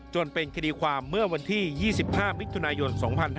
เป็นคดีความเมื่อวันที่๒๕มิถุนายน๒๕๕๙